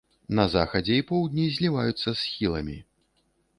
На захадзе і поўдні зліваюцца з схіламі.